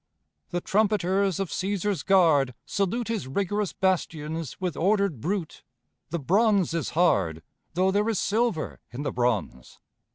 The trumpeters of Caesar's guard Salute his rigorous bastions With ordered bruit; the bronze is hard Though there is silver in the bronze.